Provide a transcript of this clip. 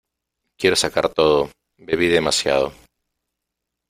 Quiero sacar todo: bebí demasiado.